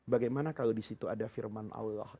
bagaimana kalau disitu ada firman allah